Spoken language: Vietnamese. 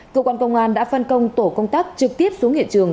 cơ quan công an đã phân công tổ công tác trực tiếp xuống hiện trường